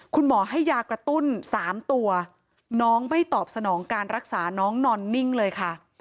คุณหมอให้ยากระตุ้น๓ตัวน้องไม่ตอบสนองการรักษาน้องนอนนิ่งเลยค่ะ